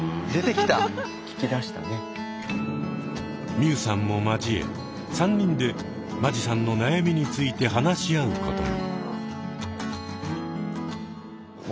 海さんも交え３人で間地さんの悩みについて話し合うことに。